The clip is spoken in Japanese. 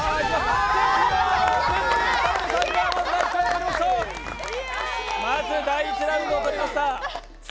春麗、田辺さん、まず第１ラウンドを取りました。